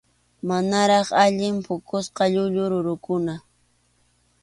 Manaraq allin puqusqa llullu rurukuna.